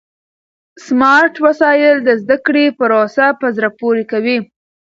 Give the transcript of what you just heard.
سمارټ وسایل د زده کړې پروسه په زړه پورې کوي.